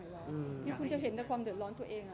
คือคุณจะเห็นแต่ความเดือดร้อนตัวเอง